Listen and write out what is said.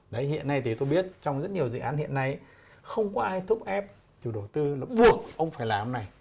đấy hiện nay thì tôi biết trong rất nhiều dự án hiện nay không có ai thúc ép chủ đầu tư là buộc ông phải làm này